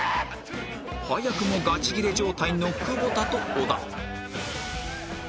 早くもガチギレ状態の久保田と小田